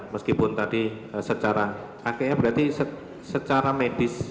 meskipun tadi secara akhirnya berarti secara medis